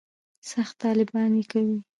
سخت طالبان یې کوي.